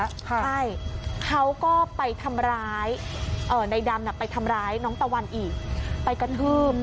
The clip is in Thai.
ใช่เขาก็ไปทำร้ายในดำไปทำร้ายน้องตะวันอีกไปกระทืบ